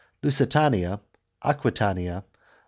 Lusitania. Aquitania.